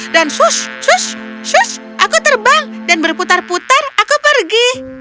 dan shush shush shush aku terbang dan berputar putar aku pergi